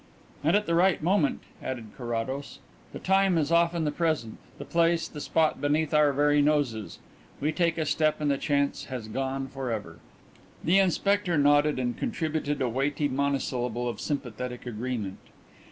"And at the right moment," added Carrados. "The time is often the present; the place the spot beneath our very noses. We take a step and the chance has gone for ever." The inspector nodded and contributed a weighty monosyllable of sympathetic agreement.